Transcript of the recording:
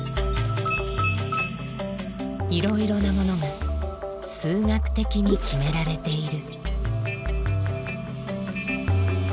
いろいろなものが数学的に決められている。